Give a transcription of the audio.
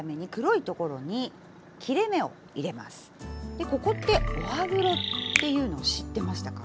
でここってお歯黒っていうのを知ってましたか？